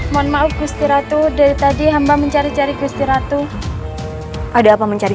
mohon maaf gusti ratu dari tadi hamba mencari cari gusti ratu ada apa mencari